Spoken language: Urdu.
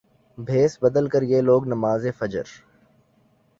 بھیس بدل کریہ لوگ نماز فجر